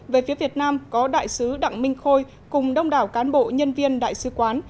về phía việt nam có đại sứ đặng minh khôi cùng đông đảo cán bộ nhân viên đại sứ quán